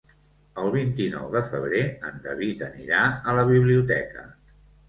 El vint-i-nou de febrer en David anirà a la biblioteca.